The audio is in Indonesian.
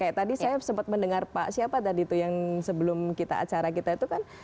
kayak tadi saya sempat mendengar pak siapa tadi tuh yang sebelum kita acara kita itu kan